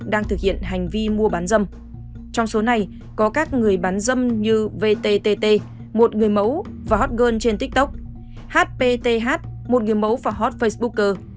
đang thực hiện hành vi mua bán dâm trong số này có các người bán dâm như vtt một người mẫu và hot girl trên tiktok hpt một người mẫu và hot facebooker